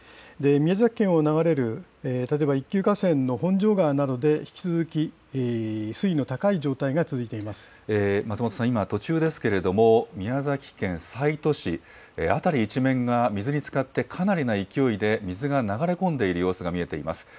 宮崎県を流れる、例えば一級河川の本庄川などで引き続き水位の高松本さん、今、途中ですけれども、宮崎県西都市、辺り一面が水につかって、かなりな勢いで水が流れ込んでいる様子が見えています。